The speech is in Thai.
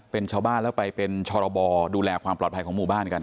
เป็นชาวบ้านแล้วไปเป็นชรบดูแลความปลอดภัยของหมู่บ้านกัน